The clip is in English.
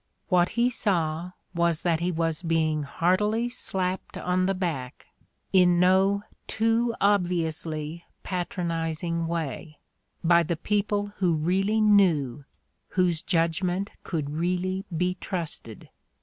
What he saw was that he was being heartily slapped on the back, in no too obviously patronizing way, by the people who really knew, whose judgment could really be trusted.